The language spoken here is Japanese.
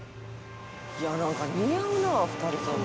「いやなんか似合うな２人とも」